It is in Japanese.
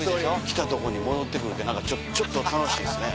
来たとこに戻って来るって何かちょっと楽しいですね。